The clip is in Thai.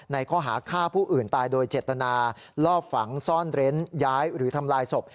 ข้อหาฆ่าผู้อื่นตายโดยเจตนาลอบฝังซ่อนเร้นย้ายหรือทำลายศพ